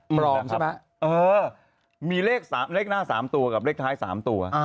ปลอมใช่ไหมเออมีเลขหน้า๓ตัวกับเลขท้าย๓ตัว